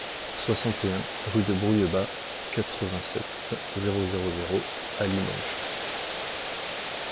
soixante et un rue de Brouillebas, quatre-vingt-sept, zéro zéro zéro à Limoges